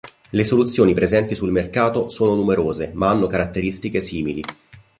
Le soluzioni presenti sul mercato sono numerose ma hanno caratteristiche simili.